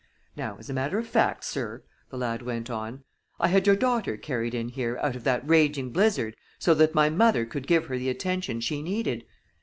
Now, as a matter of fact, sir," the lad went on, "I had your daughter carried in here out of that raging blizzard so that my mother could give her the attention she needed.